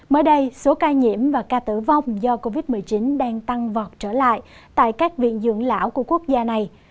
mới đây số ca nhiễm và ca tử vong do covid một mươi chín đang tăng vọt trở lại tại các viện dưỡng lão của quốc gia này